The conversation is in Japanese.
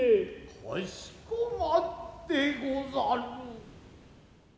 かしこまってござる。